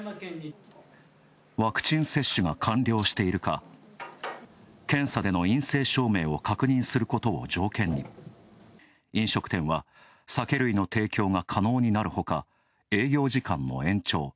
ワクチン接種が完了しているか検査での陰性証明を確認することを条件に飲食店は、酒類の提供が可能になるほか、営業時間も延長。